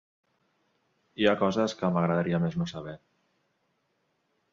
Hi ha coses que m'agradaria més no saber.